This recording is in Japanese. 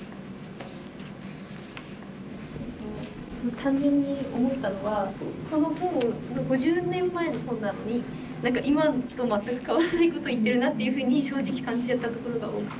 単純に思ったのはこの本５０年前の本なのに何か今と全く変わらないこと言ってるなっていうふうに正直感じちゃったところが多くて。